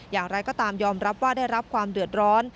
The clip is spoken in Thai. อย่างไรก็ตามยอมรับว่าได้รับความเดือดร้อน